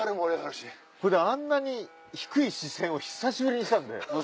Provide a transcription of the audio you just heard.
それであんなに低い視線を久しぶりにしたんで。